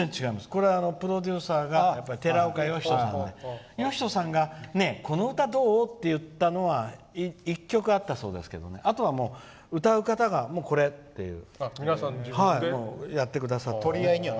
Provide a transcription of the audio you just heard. これはプロデューサーの寺岡呼人さんがこの歌どう？って言ったのは１曲あったそうですけどあとは、歌う方がこれってやってくださった。